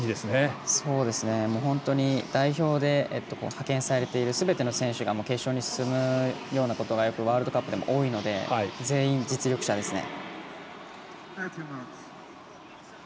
代表で派遣されているすべての選手が決勝に進むことがワールドカップでも多いので全員、実力者ですね。